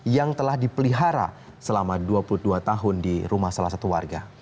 yang telah dipelihara selama dua puluh dua tahun di rumah salah satu warga